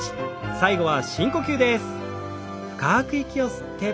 最後は深呼吸です。